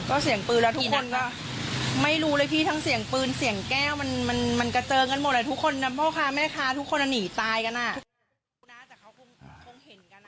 ก็เสียงปืนแล้วทุกคนก็ไม่รู้เลยพี่ทั้งเสียงปืนเสียงแก้วมันมันกระเจิงกันหมดทุกคนนะพ่อค้าแม่ค้าทุกคนหนีตายกันอ่ะ